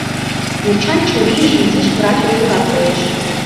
Йочан чурийже изиш врач ӱдырла коеш.